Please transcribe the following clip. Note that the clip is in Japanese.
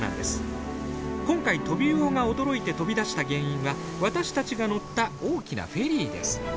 今回トビウオが驚いて飛び出した原因は私たちが乗った大きなフェリーです。